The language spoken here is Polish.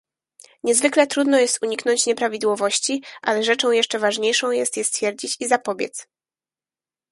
Niezwykle trudno jest uniknąć nieprawidłowości, ale rzeczą jeszcze ważniejszą jest je stwierdzić i zapobiec